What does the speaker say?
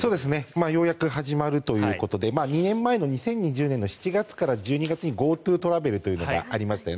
ようやく始まるということで２年前の２０２０年の７月から１２月にＧｏＴｏトラベルというのがありました。